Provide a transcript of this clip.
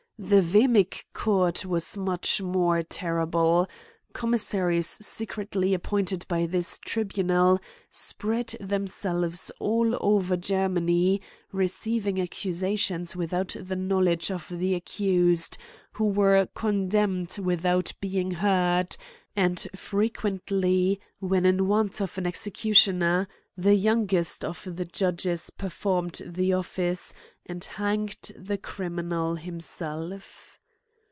The Vhemic Court was much more terrible ; com missaries secretly appointed by this tribunal, spread themselves all over Germany, receiving accusations without the knowledge of the accused, who were condemned without being heard ; and frequently, when in want of an executioner, the youngest of the judges performed the office, and hanged the criminal himself.